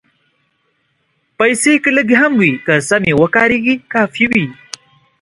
پېسې که لږې هم وي، که سمې وکارېږي، کافي وي.